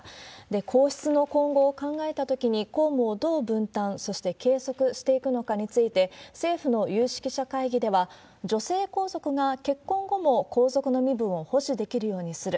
皇室の今後を考えたときに、公務をどう分担、そして継続していくのかについて、政府の有識者会議では、女性皇族が結婚後も皇族の身分を保持できるようにする。